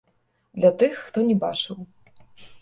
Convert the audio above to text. Для тых, хто не бачыў.